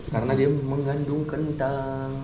karena dia mengandung kentang